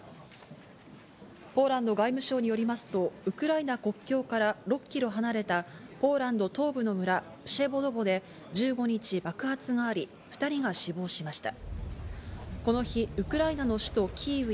ポーランド外務省によりますと、ウクライナ国境から６キロ離れた、ポーランド東部の村、プシェヴォドヴォで１５日、爆発があり、２人が死亡しました。